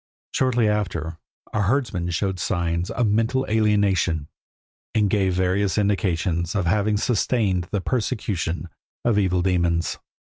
Shortly after a herdsman showed signs of mental alienation, and gave various indications of having sustained the persecution of evil demons.